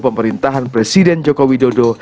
pemerintahan presiden jokowi dodo